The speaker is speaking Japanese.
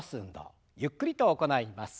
ゆっくりと行います。